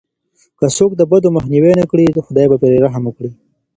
که څوک د بدو مخنيوی ونه کړي، خداي به پرې رحم وکړي.